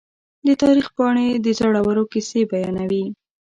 د تاریخ پاڼې د زړورو کیسې بیانوي.